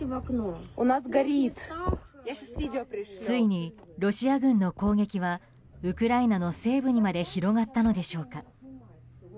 ついにロシア軍の攻撃はウクライナの西部にまで広がったのでしょうか。